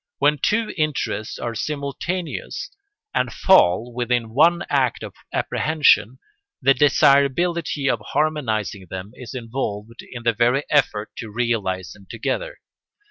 When two interests are simultaneous and fall within one act of apprehension the desirability of harmonising them is involved in the very effort to realise them together.